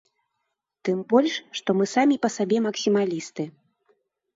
Тым больш, што мы самі па сабе максімалісты.